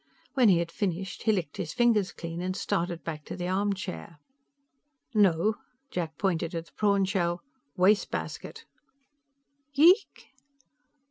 When he had finished, he licked his fingers clean and started back to the armchair. "No." Jack pointed at the prawn shell. "Wastebasket." "Yeek?"